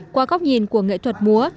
qua góc nhìn của nghệ thuật múa